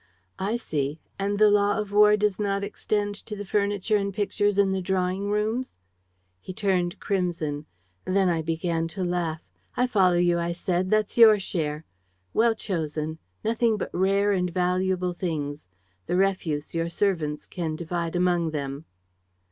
"'I see. And the law of war does not extend to the furniture and pictures in the drawing rooms?' "He turned crimson. Then I began to laugh: "'I follow you,' I said. 'That's your share. Well chosen. Nothing but rare and valuable things. The refuse your servants can divide among them.'